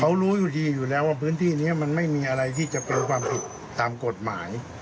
เขารู้อยู่ดีอยู่แล้วว่าพื้นที่นี้มันไม่มีอะไรที่จะเป็นความผิดตามกฎหมาย